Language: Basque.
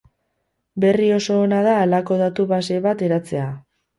Berri oso ona da halako datu base bat eratzea.